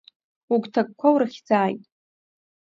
Угәҭакқәа урыхьӡааит!